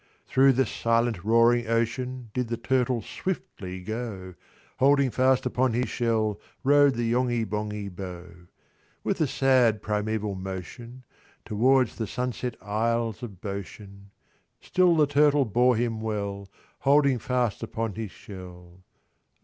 IX. Through the silent roaring ocean Did the Turtle swiftly go; Holding fast upon his shell Rode the Yonghy Bonghy Bò, With a sad primæval motion Towards the sunset isles of Boshen Still the Turtle bore him well, Holding fast upon his shell.